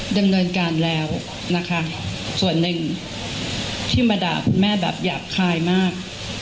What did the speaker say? ดำเนินการแล้วนะคะส่วนหนึ่งที่มาด่าคุณแม่แบบหยาบคายมาก